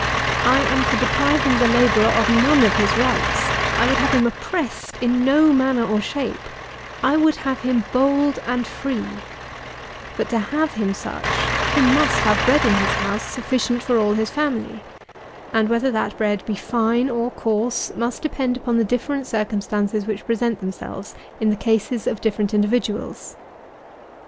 I am for depriving the labourer of none of his rights; I would have him oppressed in no manner or shape; I would have him bold and free; but to have him such, he must have bread in his house, sufficient for all his family, and whether that bread be fine or coarse must depend upon the different circumstances which present themselves in the cases of different individuals.